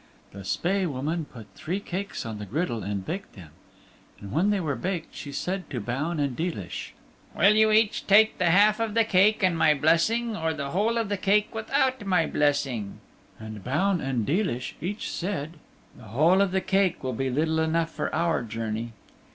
The Spae Woman put three cakes on the griddle and baked them. And when they were baked she said to Baun and Deelish: "Will you each take the half of the cake and my blessing, or the whole of the cake without my blessing?" And Baun and Deelish each said, "The whole of the cake will be little enough for our journey."